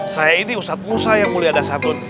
saya ini ustaz musa yang mulia dasar